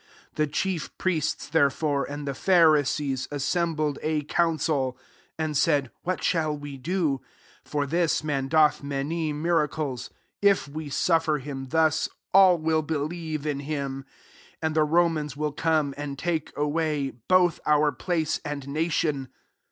47 The chief priests, there fore, and the Pharisees assem bled a council, and said, " What shall we do ? for this man doth many miraclatf 48 If we suffer him thus, all will believe in him: and the Romans will come and take away both our place and natioti."